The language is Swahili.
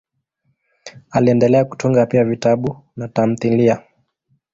Aliendelea kutunga pia vitabu na tamthiliya.